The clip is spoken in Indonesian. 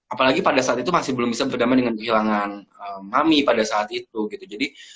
apalagi pada saat itu masih belum bisa berdamai dengan kehilangan mami pada saat itu gitu